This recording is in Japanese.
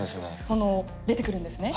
その出てくるんですね？